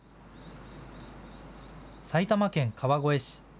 埼玉県川越市。